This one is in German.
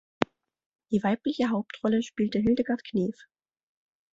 Die weibliche Hauptrolle spielte Hildegard Knef.